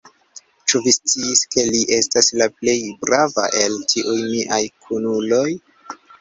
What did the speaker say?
Ĉu vi sciis, ke li estas la plej brava el tiuj miaj kunuloj?